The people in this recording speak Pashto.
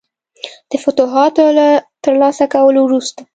د فتوحاتو له ترلاسه کولو وروسته.